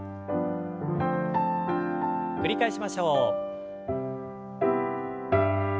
繰り返しましょう。